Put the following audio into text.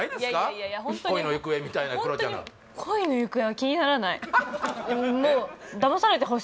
いやいやいや恋の行方みたいなホントに恋の行方は気にならない